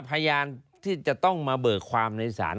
พยานที่จะต้องมาเบิกความในศาล